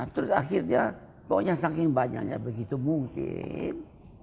terus akhirnya pokoknya saking banyaknya begitu mungkin